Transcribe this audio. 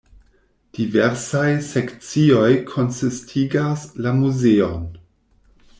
Diversaj sekcioj konsistigas la muzeon.